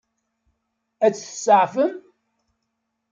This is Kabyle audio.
Ad tt-tseɛfem?